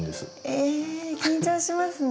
えっ緊張しますね。